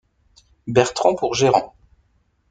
Bertrand pour gérant.